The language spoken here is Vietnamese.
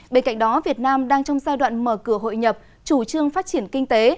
bên cạnh đó việt nam đang trong giai đoạn mở cửa hội nhập chủ trương phát triển kinh tế